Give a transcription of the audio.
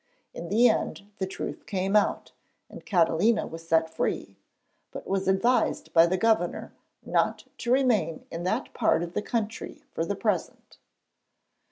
In the end the truth came out, and Catalina was set free, but was advised by the Governor not to remain in that part of the country for the present.